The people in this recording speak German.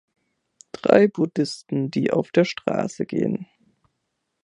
Drei Buddhisten, die auf der Straße gehen.